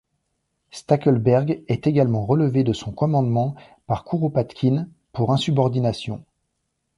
Stackelberg est également relevé de son commandement par Kouropatkine pour insubordination.